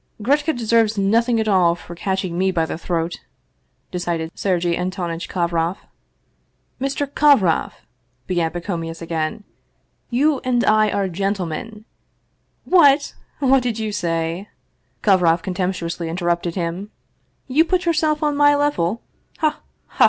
" Gretcka deserves nothing at all for catching me by the throat," decided Sergei Antonitch Kovroff. " Mr. Kovroff! " began Pacomius again. " You and I are gentlemen "" What ! What did you say ?" Kovroff contemptuously interrupted him. " You put yourself on my level ? Ha ! ha!